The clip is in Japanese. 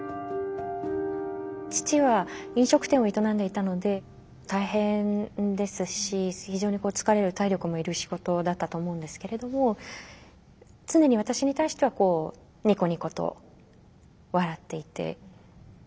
父は飲食店を営んでいたので大変ですし非常に疲れる体力もいる仕事だったと思うんですけれども常に私に対してはニコニコと笑っていて。